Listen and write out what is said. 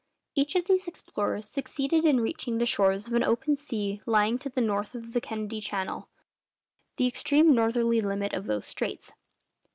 Each of these explorers succeeded in reaching the shores of an open sea lying to the north east of Kennedy Channel, the extreme northerly limit of those straits.